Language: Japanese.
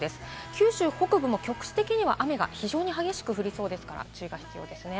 九州北部も局地的には雨が非常に激しく降りそうですから注意が必要ですね。